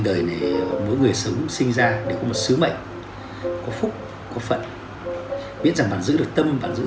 đời mỗi người sống sinh ra để có một sứ mệnh có phúc có phận biết rằng bạn giữ được tâm bạn giữ